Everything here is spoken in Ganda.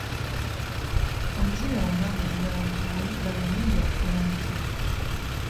Omuzibe bw'aba ng'ayagala kugula gaalubindi, akola atya?